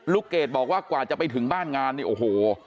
เกรดบอกว่ากว่าจะไปถึงบ้านงานเนี่ยโอ้โห